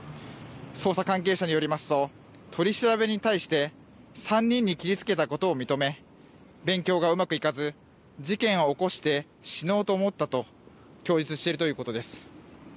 捜査関係者によりますと取り調べに対して３人に切りつけたことを認め勉強がうまくいかず、事件を起こして死のうと思ったと供述しているということです。